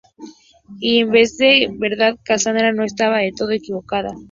Y es que en verdad Kassandra no estaba del todo equivocada.